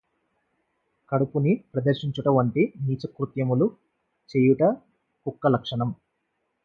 కడుపుని ప్రదర్శించుట వంటి నీచకృత్యములు చేయుట కుక్క లక్షణం